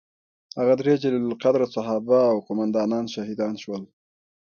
هغه درې جلیل القدره صحابه او قوماندانان شهیدان شول.